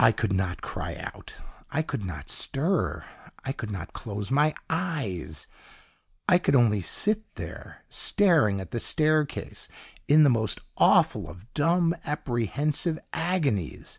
I could not cry out, I could not stir, I could not close my eyes: I could only sit there staring at the staircase in the most awful of dumb, apprehensive agonies.